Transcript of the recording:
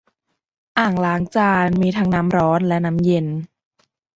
อ่างล้างจานมีทั้งน้ำร้อนและน้ำเย็น